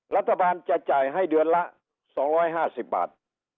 รัฐบาลจะจ่ายให้เดือนละ๒๕๐บาท